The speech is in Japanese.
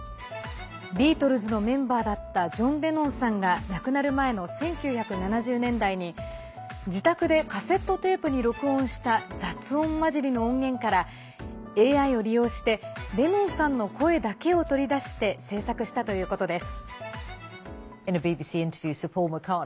ビートルズのメンバーだったジョン・レノンさんが亡くなる前の１９７０年代に自宅でカセットテープに録音した雑音交じりの音源からＡＩを利用してレノンさんの声だけを取り出して制作したということです。